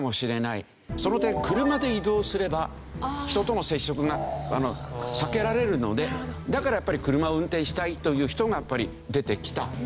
その点車で移動すれば人との接触が避けられるのでだから車を運転したいという人がやっぱり出てきた。